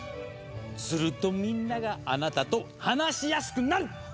するとみんながあなたと話しやすくなる！